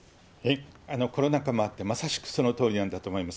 コロナ禍もあって、まさしくそのとおりなんだと思います。